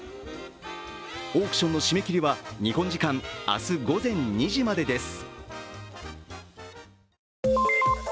オークションの締め切りは日本時間明日午前２時までです。